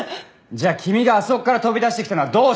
じゃあ君があそこから飛び出してきたのはどうして！？